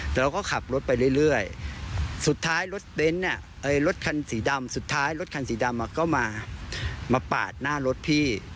แต่เราก็ขับรถไปเรื่อยสุดท้ายรถคันสีดำก็มาปาดหน้ารถพี่